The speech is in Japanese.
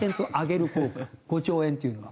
５兆円っていうのは。